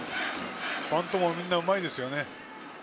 バントもみんなうまいです。